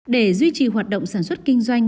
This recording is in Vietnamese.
để duy trì hoạt động sản xuất kinh doanh